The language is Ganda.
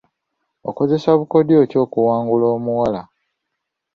Okozesa bukodyo ki okuwangula omuwala?